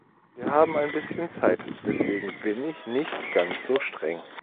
Wir haben ein bisschen Zeit, deswegen bin ich nicht ganz so streng.